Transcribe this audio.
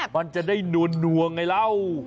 มันจะได้นัวไงเรา